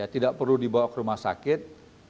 tidak perlu dibawa ke rumah sakit